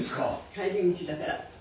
帰り道だから。